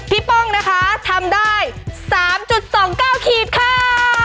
ป้องนะคะทำได้๓๒๙ขีดค่ะ